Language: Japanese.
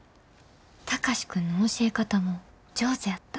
貴司君の教え方も上手やった。